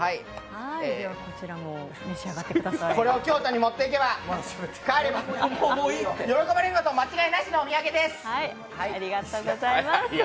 これを京都に持って帰れば喜ばれること間違いなしのお土産です。